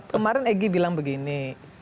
kemarin egy bilang begini